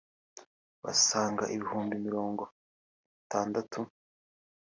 basaga ibihumbi mirongo itandatu